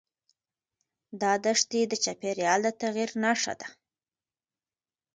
دا دښتې د چاپېریال د تغیر نښه ده.